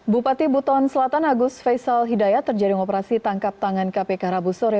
bupati buton selatan agus faisal hidayat terjaring operasi tangkap tangan kpk rabu sore